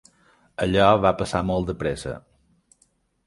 Allò va passar molt de pressa.